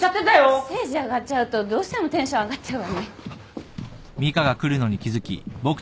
ステージ上がっちゃうとどうしてもテンション上がっちゃうわね。